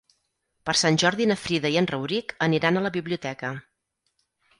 Per Sant Jordi na Frida i en Rauric aniran a la biblioteca.